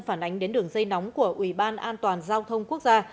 phản ánh đến đường dây nóng của ủy ban an toàn giao thông quốc gia